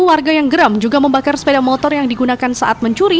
warga yang geram juga membakar sepeda motor yang digunakan saat mencuri